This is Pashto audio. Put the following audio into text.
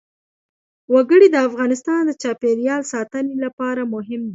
وګړي د افغانستان د چاپیریال ساتنې لپاره مهم دي.